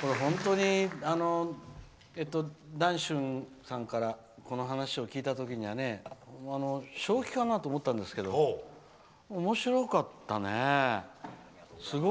これ本当に談春さんからこの話を聞いた時には正気かな？と思ったんですけどおもしろかったね。